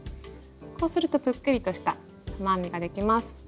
こうするとぷっくりとした玉編みができます。